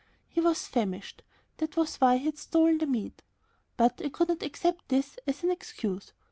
He was famished, that was why he had stolen the meat. But I could not accept this as an excuse.